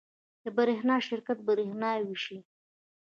د برښنا شرکت بریښنا ویشي